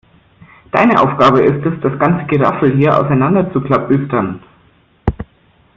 Deine Aufgabe ist es, das ganze Geraffel hier auseinander zu klabüstern.